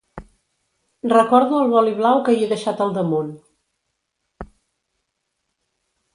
Recordo el boli blau que hi he deixat al damunt.